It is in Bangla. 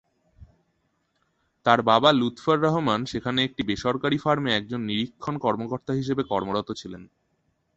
তার বাবা লুৎফর রহমান সেখানে একটি বেসরকারি ফার্মে একজন নিরীক্ষণ কর্মকর্তা হিসেবে কর্মরত ছিলেন।